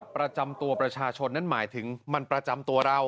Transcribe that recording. ประจำตัวประชาชนนั่นหมายถึงมันประจำตัวเรา